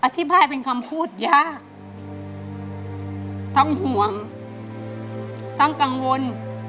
อธิบายเป็นคำพูดยากทั้งห่วงทั้งกังวล